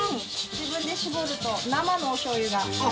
自分で搾ると生のおしょう油が。